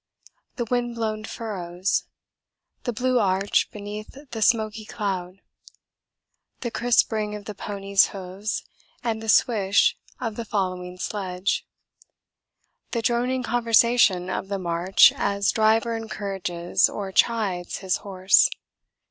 The wind blown furrows. The blue arch beneath the smoky cloud. The crisp ring of the ponies' hoofs and the swish of the following sledge. The droning conversation of the march as driver encourages or chides his horse.